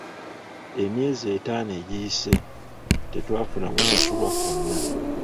Emyezi etaano egiyise, tetwafuna kusasulwa kwonna.